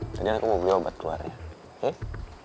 tadi aku mau beli obat keluar ya oke